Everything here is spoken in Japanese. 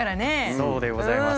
そうでございます。